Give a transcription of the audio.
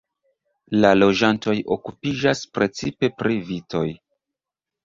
La loĝantoj okupiĝas precipe pri vitoj.